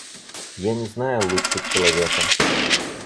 Я не знаю лучше человека.